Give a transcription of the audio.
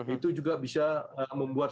itu juga bisa membuat